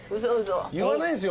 言わないんすよ